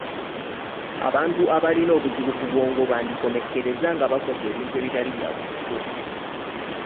Abantu abalina obuzibu ku bwongo bandikomekkereza nga bakoze ebintu ebitali bya bulijjo.